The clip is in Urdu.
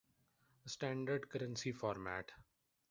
standard currency format